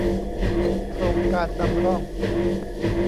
โครงการนำร่อง